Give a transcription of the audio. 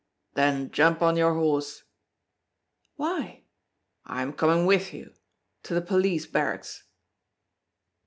"Then jump on your horse!" "Why?" "I'm coming with you to the police barracks!"